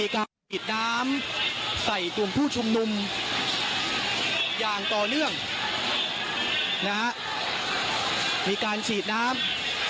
ฉีดน้ำใส่คุณผู้ชมนุมอย่างต่อเนื่องนะครับมีการฉีดน้ำ